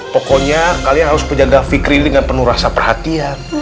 pokoknya kalian harus menyandang fikri dengan penuh rasa perhatian